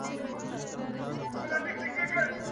زه به ليکلي پاڼي ترتيب کړي وي؟